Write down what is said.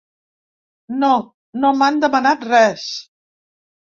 No, no m’han demanat res.